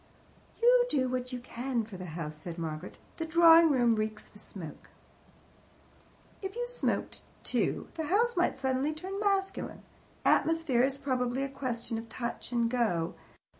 "You do what you can for the house," said Margaret. "The drawing room reeks of smoke." "If you smoked too, the house might suddenly turn masculine. Atmosphere is probably a question of touch and go.